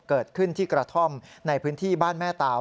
เกิดขึ้นที่กระท่อมในพื้นที่บ้านแม่ตาว